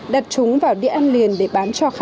đặt chúng vào đĩa ăn liền để bán